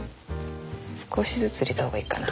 少しずつ入れたほうがいいかな。